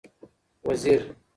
وزیر